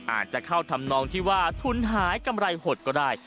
อาจจะเข้าทำนองที่ว่าทุนหายกำไรหดก็ได้